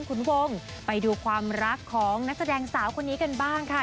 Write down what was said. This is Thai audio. ขุนวงไปดูความรักของนักแสดงสาวคนนี้กันบ้างค่ะ